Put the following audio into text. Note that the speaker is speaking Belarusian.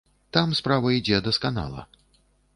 Там справа ідзе дасканала.